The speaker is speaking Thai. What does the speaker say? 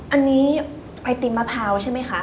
อันนี้ไอติมมะพร้าวใช่ไหมคะ